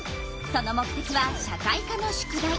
その目てきは社会科の宿題。